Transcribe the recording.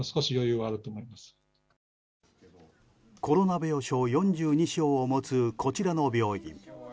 コロナ病床４２床を持つこちらの病院。